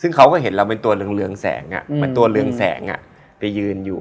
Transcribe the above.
ซึ่งเขาก็เห็นเราเป็นตัวเรืองเรืองแสงอ่ะอืมเป็นตัวเรืองแสงอ่ะไปยืนอยู่